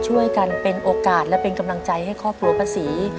ช่วยกันเป็นโอกาสและเป็นกำลังใจให้ครอบครัวป้าศรี